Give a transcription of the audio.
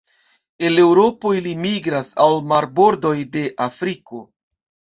El Eŭropo ili migras al marbordoj de Afriko.